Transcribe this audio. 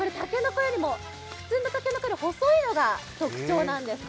普通の竹の子よりも細いのが特徴なんです。